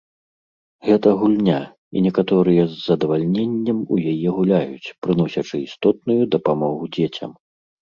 Гэта гульня, і некаторыя з задавальненнем у яе гуляюць, прыносячы істотную дапамогу дзецям.